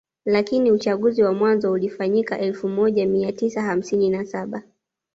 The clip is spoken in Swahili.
Lakini uchaguzi wa mwanzo ulifanyika elfu moja mia tisa hamsini na saba